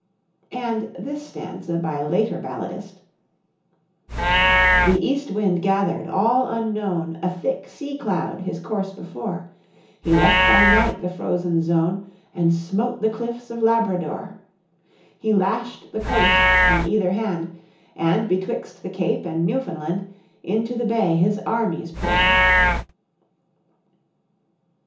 And this stanza by a later balladist: "The East Wind gathered, all unknown, A thick sea cloud his course before; He left by night the frozen zone, And smote the cliffs of Labrador; He lashed the coasts on either hand, And betwixt the Cape and Newfoundland, Into the bay his armies pour."